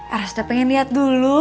arista pengen lihat dulu